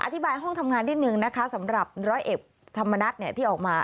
อธิบายห้องทำงานนิดนึงนะคะสำหรับร้อยเอกธรรมนัฐที่ออกมา